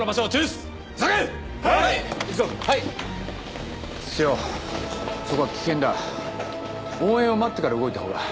室長そこは危険だ応援を待ってから動いたほうが。